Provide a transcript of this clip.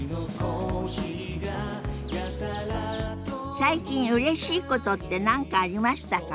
最近うれしいことって何かありましたか？